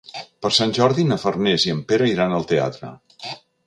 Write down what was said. Per Sant Jordi na Farners i en Pere iran al teatre.